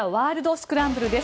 スクランブルです。